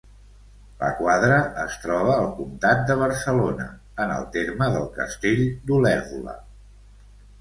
La quadra es troba al comtat de Barcelona, en el terme del castell d'Olèrdola.